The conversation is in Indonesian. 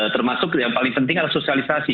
termasuk yang paling penting adalah sosialisasi